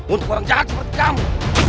untuk orang jahat seperti kamu